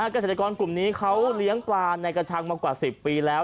เกษตรกรกลุ่มนี้เขาเลี้ยงปลาในกระชังมากว่า๑๐ปีแล้ว